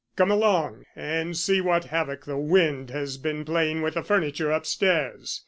"Come along, and see what havoc the wind has been playing with the furniture upstairs."